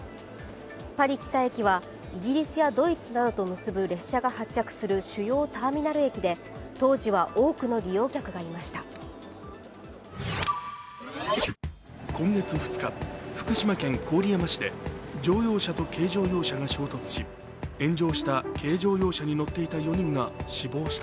パリ北駅はイギリスやドイツなどと結ぶ列車が発着する主要ターミナル駅で当時は多くの利用客がいました。